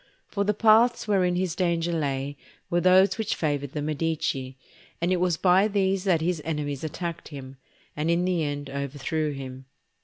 For the paths wherein his danger lay were those which favoured the Medici, and it was by these that his enemies attacked him, and in the end overthrew him.